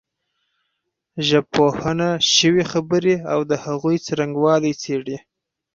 ژبپوهنه شوې خبرې او د هغوی څرنګوالی څېړي